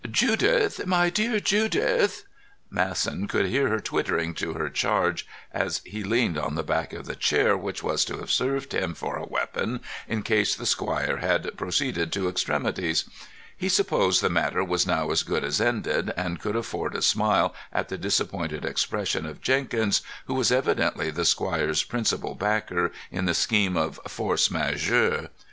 "Judith, my dear, Judith!" Masson could hear her twittering to her charge as he leaned on the back of the chair which was to have served him for a weapon in case the squire had proceeded to extremities. He supposed the matter was now as good as ended, and could afford a smile at the disappointed expression of Jenkins, who was evidently the squire's principal backer in the scheme of force majeure.